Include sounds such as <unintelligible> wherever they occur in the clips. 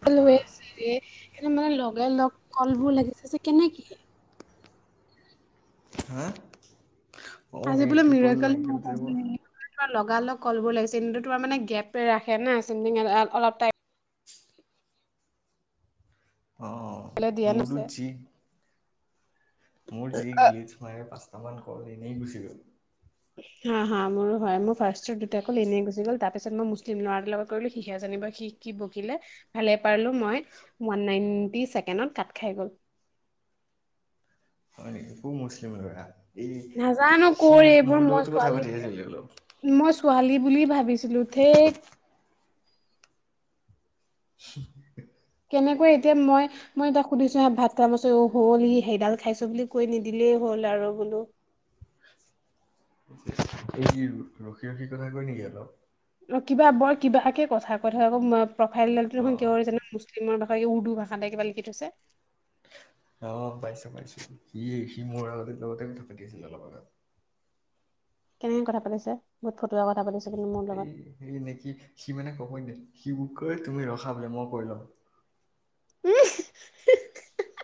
ভাল তাৰপা হৈ আছে। সেইটো মানে লগে লগ কল বোৰ লাগিছে যে কেনেক। হা অ', এইটো পল লাগিল যে মোৰ। তাৰ লগাল লগ কল বোৰ লাগিছে। তোৰ মানে গেপে ৰাখে না চ অলপ টাইম। অ', টাইমলে দিয়া মুদুজ নাছে যি। মোৰ যি গ্লিচ ম পাঁচটা মান কল এনেই গুচি গ'ল। হা হা মোৰো হয়, মোৰ ফাৰ্ষ্টত দুটা ক'ল এনেই গুচি গল তাৰ পিছত মই মুচ তে ল'ৰা দুল লগত কৰিলো সিহে জানিব সি কি বকিলে ভালে পাৰলো মই ওৱান নাইনটি ছেকেণ্ডত কাট খাই গ'ল। হয় নেকি? মোৰ মুছলিম ল'ৰা এই নাজানো কৃষি কৰ এইবোৰ মোৰ মই লগতো কথা ছোৱালী পাতি আছিলো অলপ। মই ছোৱালী বুলি ভাবিছিলোঁ ঠি <unintelligible> কেনেকৈ এতিয়া মই মই এ তাক সুধিছো হে ভাত খামচ অ হ'ল ই সেইডাল খাইছো বুলি কৈ নিদিলেই হ'ল আৰু বোলো। সি কি ৰ ৰখি ৰখি কথা কয় নেকি আকৌ? অ কিবা বৰ কিবাকে কথা কৈ থাকে আকৌ ম প্ৰফাইলডাল টো অ দেখোন কিয় <inaudible> কিমান ভাষা, এ উৰ্দু ভাষাতে কিবা লিখি থৈছে। অ', পাইছো পাইছো, সি সি মোৰ আগতে লগতে কথা পাতি আছিলে অলপ আগত। কেনেকে কথা পাতিছে, বহুত ফটুৱা কথা পাতিছে কিন্তু মোৰ লগত। এই নেকি সি সি মানে ক'ব নি সিবোৰ কৈ তুমি ৰখা বোলে মই কৈ লওঁ। উম', <inaudible>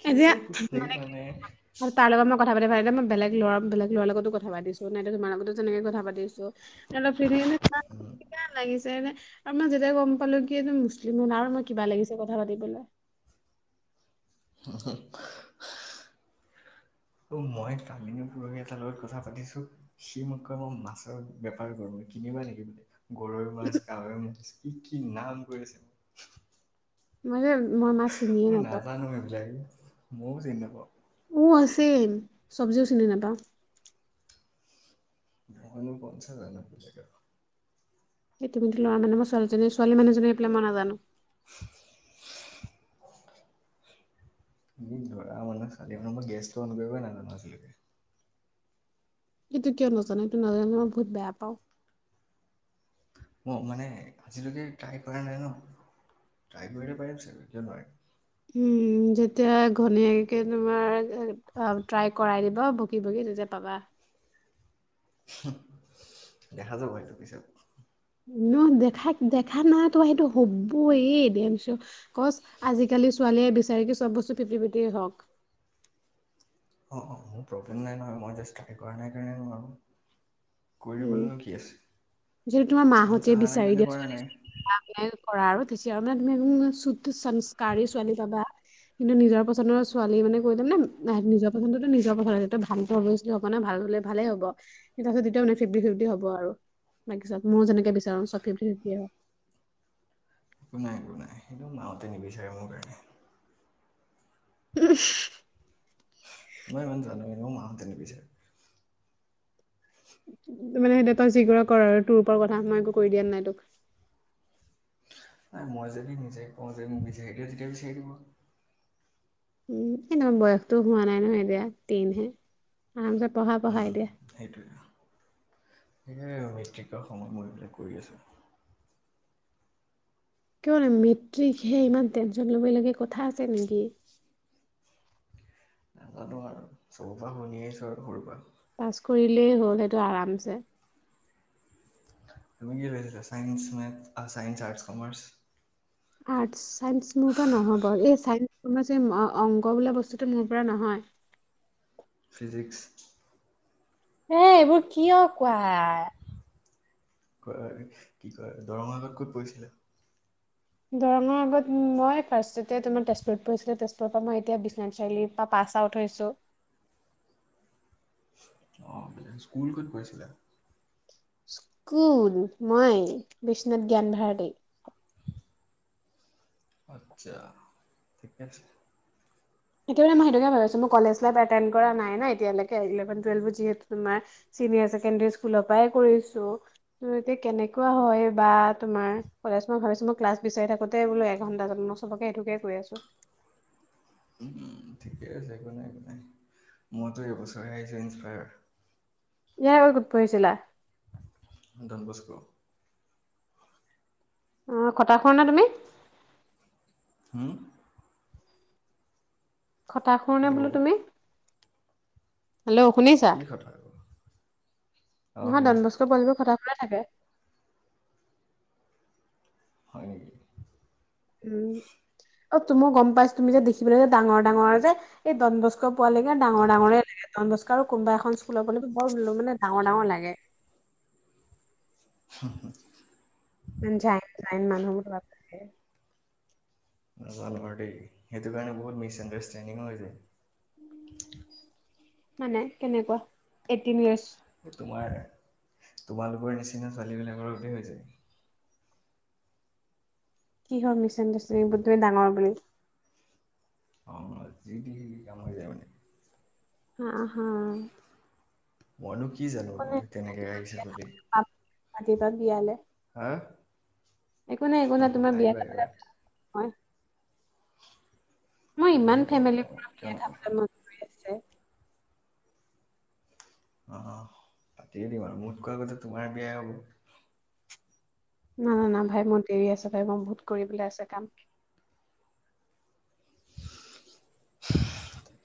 কি এতিয়া যে ক'ব লাগে মানে <inaudible> তাৰ লগত মই কথা পাতি <inaudible> এতিয়া মই বেলেগ লৰা বেলেগ লৰাৰ লগতো কথা পাতিছো নাই তোমাৰ <inaudible> লগতো যেনেকৈ কথা পাতি আছো। <unintelligible> লাগিছে এনে আৰু মই যেতিয়া গম পালো কি এই মুছলিম হল আৰু মই কিবা লাগিছে কথা পাতিবলে <unintelligible> <inaudible> অ', মই কালি নে পৰহি এ তাৰ লগত কথা পাতিছো। সি মোক কয় মই মাছৰ বেপাৰ কৰো কিনিবা নেকি বোলে? গৰৈ মাছ, কাৱৈ মাতিছে কি কি নাম কৰিছে মোক মানে মো মই নাজানো এইবিলাক, ময়ো যে নাপাওঁ। উম আছেই, চবজিও চিনি নাপাও। মইনো কনচা জানা ব <inaudible> ইতিমধ্যে লৰা কাৰণে মই ছোৱালীজনীয়ে ছোৱালীমানুহজনে পাই মই নাজানো। উম, ধৰা মানে খালী মানে মই গেছটো অন কৰিবই নাজানো আজিলৈকে। এইটো কিয় নাজানো, এইটো নাজানো মই বহুত বেয়া পাও। ম মানে আজিলৈকে ট্ৰাই কৰা নাই ন, ট্ৰাই কৰিলে পাৰিম চাগে কিয় নোৱাৰিম। উম যেতিয়া ঘৈনীয়েকে তোমাৰ এ অ ট্ৰাই কৰাই দিব ভো কিব কি তেতিয়া পাবা। চুহ দেখা যাব সেইটো পিছত। ন দেখা দেখা নাই তো সেইটো হ'বয়ে দেমছ কচ আজিকালি ছোৱালীয়ে বিচাৰে কি? চব বস্তু ফিপটি ফিপটিয়েই হওক। অ', অ', মোৰ প্ৰব্লেম নাই নহয় মই জাষ্ট ট্ৰাই কৰা নাই কাৰণে নোৱাৰো। উম কৰিবলৈনো কি আছে, যদি চাঞ্চ আহা নাই কাৰণে কৰা নাই। অ', <inaudible> কৰা আৰু তেতিয়া মানে তুমি উম শুদ্ধ সাংস্কাৰী ছোৱালী পাবা। কিন্তু নিজৰ পচন্দৰ ছোৱালী মানে কৈতে মানে না নিজৰ পচছন্দৰটো নিজৰ পচন্দত ভাল পোৱা তে হব না ভাল হলে ভালেই হব কিন্তু তাৰপাছত তেতিয়া <inaudible> ফিফটি ফিফটি হ'ব আৰু বাকি চত মোৰো যেনেকে বিচাৰো চ ফিফটি ফিফটি হ'ব। একো নাই একো নাই, সেইটো মাহতে নিবিচাৰে মোৰ কাৰণে। উম। মই ইমান জানো এ মোক মাহঁতে নিবিচাৰে। টো মানে তই যি কৰা কৰ আৰু তোৰ ওপৰত কথা মই একো কৰি দিয়াত নাই তোক। নাই মই যদি নিজে কওঁ যে মোক বিচাৰি দে তেতিয়া বিচাৰি দিব। উম ইমান বয়সতো হোৱা নাই নহয় এতিয়া তিনহে আৰামছে পঢ়া, পঢ়া উম এতিয়া। সেইটোৱে এই মেট্ৰিকৰ সময় মই এইবিলাক কৰি আছোঁ। কিয়নো মেট্ৰিকহে কি ইমান ক'বা টেনশ্যন ল'ব লাগে কথা আছে নেকি। নাজানোঁ আৰু চবৰ পৰা শুনিয়ে আহিছোঁ আৰু সৰুৰ পৰা। পাছ কৰিলেই হ'ল সেইটো আৰামছে। তুমি কি লৈছা science, maths, arts, commerce. Arts science মোৰ পৰা নহ'ব এই ছাইন্স কমাৰ্চ অংগ বোলা বস্তুটো মোৰ পৰা নহয়। ফিজিক্স। এ এইবোৰ কিয় কোৱা। কি কয়, কি কয় দৰঙা গাঁৱত ক'ত পৰিছিলা। দৰঙৰ আগত মই ফাৰ্ষ্টতে তোমাৰ তেজপুৰত পিঢ়িছিলোঁ তেজপুৰৰ পৰা মই এতিয়া বিশ্বনাথ চাৰিআলিত। তাৰ পাছ আউট হৈছোঁ। অ', স্কুল ক'ত পঢ়িছিলা? কোন মই বিশ্বনাথ জ্ঞান ভাৰতী। আচ্ছা, ঠিকে আছে। এতিয়া মই সেইটোকে ভাৱিছোঁ মই কলেজ লাইফ এটেন্ড কৰা নাই নাই এতিয়ালৈকে ইলেভন টুৱেলভো যিহেতু তোমাৰ চিনিয়ৰ চছেকেণ্ডৰী স্কুলৰ পৰাই কৰিছোঁ ত' এতিয়া কেনেকুৱা হয় বা? তোমাৰ কলেজ মই ভাবিছোঁ মই ক্লাছ বিচাৰি থাকোতে বোল এঘন্টা যায় মই চবকে এইটোকে কৈ আছোঁ। ঠিকে আছে, একো নাই, একো নাই মইতো এইবছৰে হাইচেকেণ্ডাৰী ইয়াৰ আগত ক'ত পঢ়িছিলা? Don Bosco. অ', খটাখূৰ নে নাই তুমি? হুম। খটাখূৰ নে বোলো হেল্ল' তুমি? হেল্ল' শুনিছা কি কথা আকৌ অঁ নহয় শুনিছোঁ ডনবস্কোৰ পোৱালি বোৰ খতাখূৰ। মানে থাকে। হয় নেকি। উম অ', তুমি গম পাইছা তুমি যে দেখিবলৈ যে ডাঙৰ, ডাঙৰ যে এই ড'ন বস্কো পোৱালিকে ডাঙৰ, অঁ ডাঙৰে লাগে ড'ন বস্কো কোনবা এখন স্কুলৰে বৰ মানে ডাঙৰ, ডাঙৰ লাগে। হয় <unintelligible> মান যায় যায় ন মানুহ মোৰ লগতে নাজোনো আৰু দেই সেইটো কাৰণে বহুত মিছ আণ্ডাৰষ্টেণ্ডিংও হৈ যায়। মানে কেনেকুৱা এইটিন ইয়াৰ্চ। তোমাৰ তোমালোকৰ নিচিনা ছোৱালী বিলাকৰ সৈতে হৈ যায়। কিহৰ মিচ আণ্ডাৰষ্টেণ্ডিং তুমি ডাঙৰ বুলি। অ', যি টি কাম হৈ যায় মানে। হ হা। মইনো কি জানোঁ একো নাই তেনেকে আহিছে বিয়া বুলি খাবলৈ পাম মাতিবা বিয়ালে হা। একো নাই, একো নাই তোমাৰ বিয়া আহিবা খাবলে আহিবা হয়। মই ইমান এনেও পাব, ফেমিলি পাবা পৰা কিয় বিয়া নাপাবা। খাবলে মন কৰি আছে অ', পাতিয়ে দিম আৰু মোতকৈ আগতে তোমাৰ বিয়াই হ'ব। না না না ভাই মোৰ দেৰি আছে ভাই মই বহুত কৰি পেলাই আছে কাম।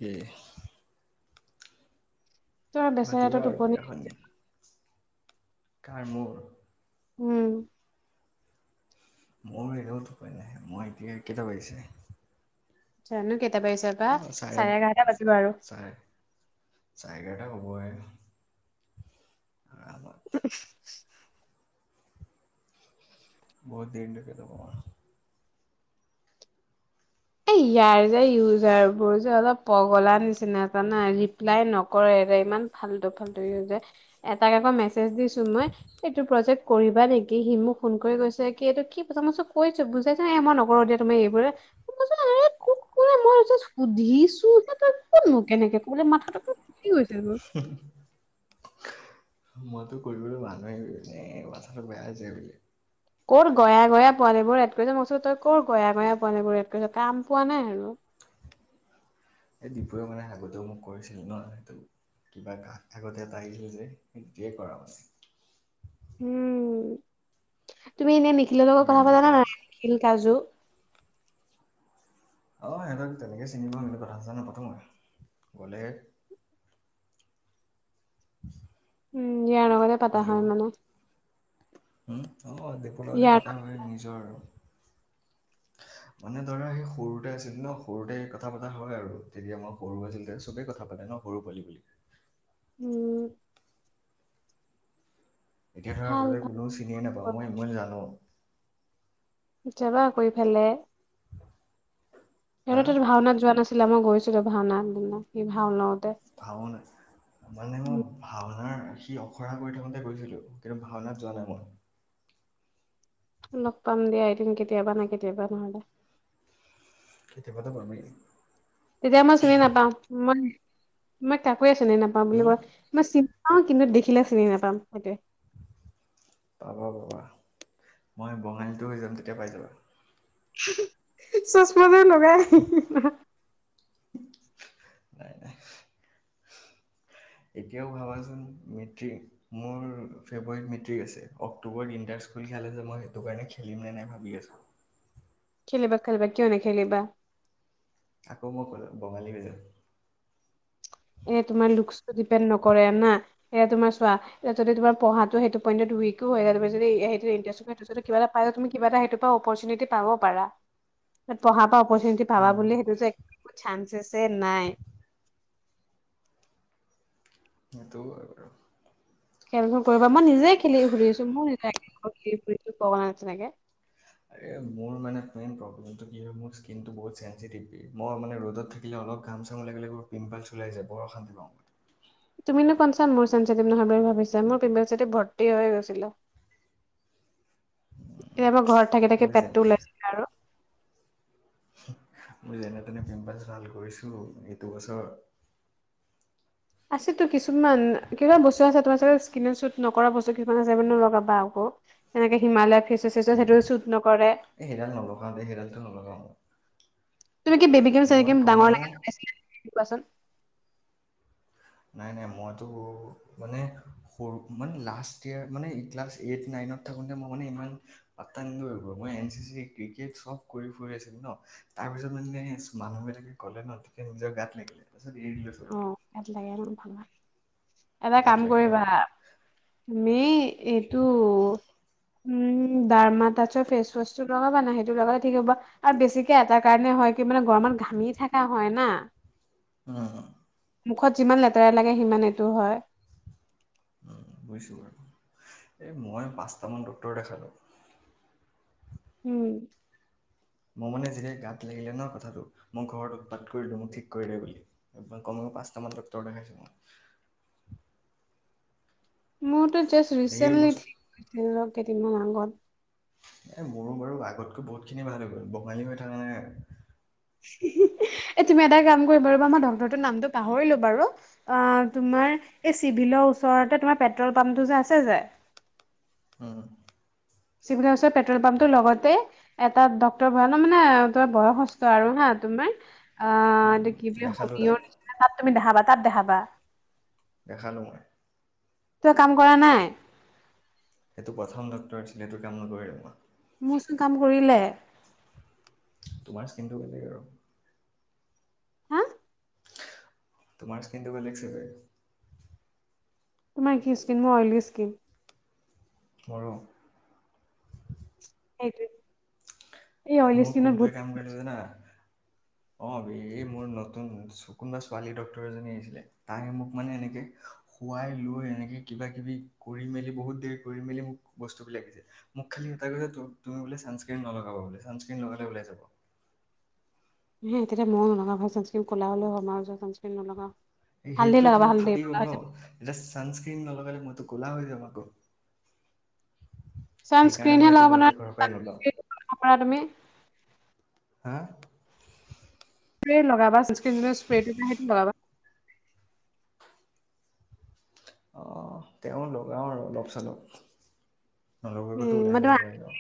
এ। তই পাতিব বেচেৰাটো আৰু টোপনি বিয়াখনি। কাৰ মোৰ। উম। মোৰ এনেওত টোপনি নাহে, মই এতিয়া একেইটা বাজিছে?। জানো কেইটা বাজিছে বা চাৰে এঘাৰটা বাজিব আৰু। চাৰে চাৰে এঘাৰতা হব হে আৰামত। বহুত দেৰি তোকে নকবা। এই ইয়াৰ যে ইউজাৰ বোৰ যে অলপ পগলা নিচিনা জানা ৰিপ্লাই নকৰে-ৰে ইমান। ফাল্টু-ফাল্টু ইউজাৰ এটাক আকৌ মেছেজ দিছো মই। এইটো প্ৰজেক্ট কৰিবা নেকি? সি মোক ফোন কৰি গৈছে কি এইটো? কি মই চব কৈছো বুজাই। নাই মই নকৰো দিয়া তুমি এইবোৰে। মানে তোক কোৱা নাই জাষ্ট মই সুধিছো হে তই কোন এনেকে কবোলে মাথাটো। কি কৈছে? এইবোৰ। হম। মইতো কৰিবলৈ মনই হৈ আছে এই কথাটো বেয়া হৈ যায় বুলি। ক'ত গয়া গয়া পোৱালিবোৰ এড কৰিছে মই কৈছোঁ তই ক'ৰ গয়া গয়া পোৱালিবোৰ এড কৰিছ কাম পোৱা নাই আৰু। এই ডপুৱ মানে আগতেও মোক কৰিছিলি ন' সেইটো। কিবা কাত থাকতে এটা আহিল যে ইতিয়াই কৰাব চাগে। উম তুমি এনে নিখিলৰ লগত কথা সেইকাৰণে পতা না নাই কৰিছে নিখিল কাজু। অঁ সিহঁতক তেনেকৈ চিনি পাওঁ কিন্তু কথা চথা নাপাতোঁহ মই গ'লে। উম ইয়াৰ লগতে পাতা হেল্ল' হয় মানে। উম অ দপলৈতে ইয়াৰ পাতা হয় নিজৰ। মানে দৰা সেই সৰুতে আছিল ন সৰুতে কথা পাতা হয় আৰু তেতিয়া মই সৰু আছিল তে চবেই কথা পাতে ন'। সৰু পোৱলি বুলি। উম। এতিয়া ধৰা ভাল গ'লে কোনো চিনিয়ে নাপাওঁ ভাল মই-মই জানো। যাবা আকৌ ইফালে। হা সিহঁতৰটো ভাওনাত যোৱা নাছিলা মই গৈছো ভাওনাৰ দিনা সি ভাও লওঁতে। ভাওনাত। মানে মই উম, ভাওনাৰ সি অখৰা কৰি থাকোঁতে গৈছিলোঁ কিন্তু ভাওনাত যোৱা নাই মই। লগ পাম দিয়া, এদিন কেতিয়াবা নাই কেতিয়াবা নহ'লে। কেতিয়াবাটো পামে। তেতিয়া মই চিনি নাপাওঁ মই-মই কাকোয়ে চিনি নাপাওঁ বুলি হুম কয়। মই চিপ পাওঁ কিন্তু দেখিলে চিনি নাপাম সেইটোৱে। পাবা-পাবা মই বঙালীটো হয় জাম, তেতিয়া পাই যাবা। চছমা জোৰ লগাই আহিবা। নাই-নাই। এতিয়াও ভাবাচোন মেট্ৰিক। মোৰ ফেব্ৰুৱাৰীত মেট্ৰিক আছে, অক্টোবৰট ইন্টাৰ স্কুল খেলে যে মই সেইটো কাৰণে খেলিম নে নাই ভাবি আছো। খেলিবা-খেলিবা কিয় নেখেলিবা আকৌ মই কলা বঙালী হৈ জাম এ তোমাৰ লুকচটো ডিপেণ্ড নকৰে না, হে তোমাৰ চোৱা এতিয়া যদি তোমাৰ পঢ়াটো সেইটো পইন্টত উইকো হয় এতিয়া তুমি যদি হেইটো ইণ্টাৰ্নশ্বিপ কিবা এটা কাইলৈ তুমি কিবা এটা হেইটো পৰা অপৰচুনিটি পাব পাৰা, পঢ়া পৰা অপৰচুনিটি পাবা বুলি সেইটো যে একো চান্সেছে নাই এইটোও হয় বাৰু খেলখন কৰিব মই নিজে খেলি ঘুৰি আছো মোৰ <unintelligible> <inaudible> পোৱা নাই তেনেকে এ মোৰ মানে মেইন প্ৰব্লেমটো কি হয় মোৰ স্কিনটো বহুত চেনচিটিভ কি মই মানে ৰদত থা এই অলপ ঘাম চাম ওলাই গলেও পিম্পালছ্ ওলাই যায় বৰ অশান্তি পাও তুমি নো কনচা মোৰ চেনচিটিভ নহয় বুলি ভাবিছা মোৰ পিম্পালছেদি ভৰ্তি হৈ গৈছিলো এইবাৰ ঘৰত থাকি মোৰ থাকি যে পেটটো ওলাইছিলে আৰু মই যেনে তেনে পিম্পাল্ছ ভাল কৰিছো এইটো বছৰত আছেতো কিছুমান কিমান বস্তু আছে তোমাৰ চাগে স্কিনত শ্বুট নকৰা বস্তু কিছুমান আছে ন লগাবা আকৌ এনেকে হিমালয়া ফেচ ৱাছ আছে সেইটো শ্বুট নকৰে এই সেইডাল নলগাওঁ দেই সেইডালটো নলগাওঁ মই তুমি কি বেবিক্ৰিম মই চেবিক্ৰিম কমেও ডাঙৰলে লগাইছিলা নেকি কোৱাচোন <inaudible> নাই নাই মইতো মানে সৰু মানে লাষ্ট ইয়েৰ মানে এই ক্লাছ এইট নাইনত থাকোতে মই মানে ইমান পাটতা নিদিলো মই এন চি চি ক্ৰিকেট চব কৰি ফুৰি আছিলোঁ ন তাৰপিছত মানে মানুহ বিলাকে ক'লে ন তেতিয়া নিজৰ গাত লাগিলে তাৰ পিছত এৰি দিলো সব অ', এটা গাত কাম লাগে ন কৰিবা তুমি এইটো উম ডাৰ্মা টাচৰ ফেচ ৱাচ টো লগাবা না সেইটো লগালে ঠিক হ'ব আৰু বেছিকে এটা কাৰণে হয় কি মানে গৰমত ঘামি থকা হয় না উম মুখত যিমান লেতেৰা লাগে সিমান এইটো হয় উম বুজিছোঁ বাৰু এই মই পাঁচটামান ডক্টৰ দেখালো উম মই মানে যেতিয়া গাত লাগিলে ন কথাটো মোৰ ঘৰত উৎপাত কৰিলো মোক ঠিক কৰি লাগে বুলি মই কমেও পাঁচটা মান ডক্টৰ দেখাইছো মই মোৰতো জাষ্ট ধেৰ ৰিচেণ্টলি বস্তু ঠিক কৰিছিলো কেইদিনমান আগত এ মোৰো বাৰু আগতকৈ বহুত খিনি ভাল হৈ গ'ল বঙালী হৈ থকা নাই এ তুমি এটা কাম কৰি বাৰু বা মই ডক্টৰটোৰ নামটো পাহৰিলো বাৰু আ তোমাৰ এই চিভিলৰ ওচৰতে তোমাৰ পেট্ৰল পাম্পটো যে আছে যে উম চিভিলৰ ওচৰত পেট্ৰল পাম্পটোৰ লগতে এটা ডক্টৰ বহে ন মানে ধৰ বয়সস্থ আৰু হা তোমাৰ আ উম, এইটো কি বুলি দেখালোঁ তাক হোমিয়ৰ নিচিনা তাত তুমি দেখাবা তাত দেখাবা দেখালো মই কিয় কাম কৰা নাই সেইটো প্ৰথম ডক্টৰ আছিলে সেইটো কাম নকৰিলে মোৰ মোৰচোন কাম কৰিলে তোমাৰ স্কিনটো বেলেগ আৰু হা তোমাৰ স্কিনটো বেলেগ ছাগে তোমাৰ কি স্কিন মোৰ অইলী স্কিন গৰু- সেইটো- মোৰ কোনটোৱে কাম কৰিলে যানা? অ এই মোৰ নতুন কোনোবা ছোৱালী ডক্তৰ এজনী আহিছিলে তাই মোক মানে এনেকে- শুৱাই লৈ এনেকে কিবা কিবি কৰি মেলি বহুত দেৰি কৰি মেলি মোক বস্তু বিলাক দিছে। মোক খালি এটা কৈছে তুমি বোলে ছানস্ক্ৰিন নলগাবা বোলে ছানস্ক্ৰিন লগালে ওলাই যাব। হে তেতিয়া ময়ো নলগাও ভাই ছানস্ক্ৰিন কলা হলে হ'ম মই যে ছানস্ক্ৰিন নলগাও। এ হালধি সেইটোয়েটো লগাবা মোৰ হালধি ফাটি ক'লা গ'ল হৈ ন। যাবা। এতিয়া ছানস্ক্ৰিন নলগালে মইতো কলা হৈ যাম আকৌ। সেইকাৰণে চানস্ক্ৰীনহে মই সেইটো লগাব ভয়তে ঘৰৰ নোৱাৰা পৰাই ছানস্ক্ৰীন লগাবা তুমি নলাও। হা স্প্ৰে লগাবা ছানস্ক্ৰিন যিটো স্প্ৰেটো পায় সেইটো লগাবা। আহ তেওঁ লগাও আৰু অলপ চলপ। নলগোৱাকে উম টো মই ওলাই তোমাক যাব নোৱাৰি ন।